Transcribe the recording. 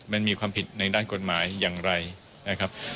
มันมีความผิดในด้านกฎหมายอย่างไรนะครับ